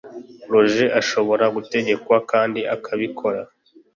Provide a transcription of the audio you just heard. Roger ashobora gutegekwa kandi akabikora